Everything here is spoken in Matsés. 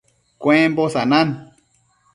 Cuembo sanan